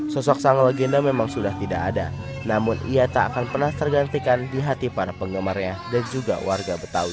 sosok sang legenda memang sudah tidak ada namun ia tak akan pernah tergantikan di hati para penggemarnya dan juga warga betawi